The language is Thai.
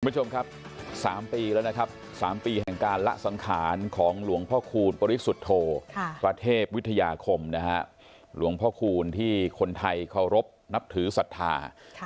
คุณผู้ชมครับ๓ปีแล้วนะครับ๓ปีแห่งการละสังขารของหลวงพ่อคูณปริสุทธโธพระเทพวิทยาคมนะฮะหลวงพ่อคูณที่คนไทยเคารพนับถือศรัทธา